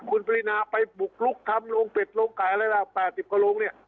คุณปรินาไปบุกลุกทำโรงเพชรโรงกายระยะ๘๐ครอง